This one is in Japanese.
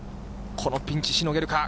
このピンチ、しのげるか。